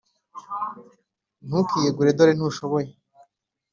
ntukiyegure dore nushoboye.